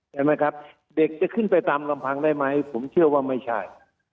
เห็นไหมครับเด็กจะขึ้นไปตามลำพังได้ไหมผมเชื่อว่าไม่ใช่